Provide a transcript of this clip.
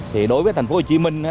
thì đối với thành phố hồ chí minh